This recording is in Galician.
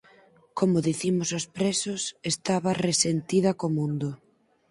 Como dicimos os presos, estaba “resentida” co mundo.